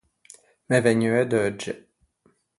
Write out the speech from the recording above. M’é vegnuo e deugge.